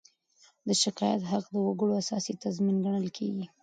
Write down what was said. د شکایت حق د وګړو اساسي تضمین ګڼل کېږي.